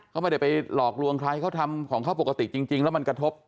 เขาไม่ได้ไปหลอกลวงใครเขาทำของเขาปกติจริงแล้วมันกระทบ